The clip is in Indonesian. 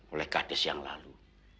oleh kades yang lalu